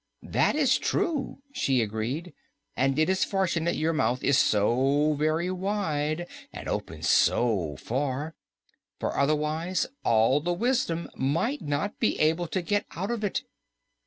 "That is true," she agreed, "and it is fortunate your mouth is so very wide and opens so far, for otherwise all the wisdom might not be able to get out of it."